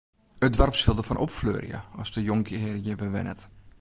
It doarp sil derfan opfleurje as de jonkhear hjir wer wennet.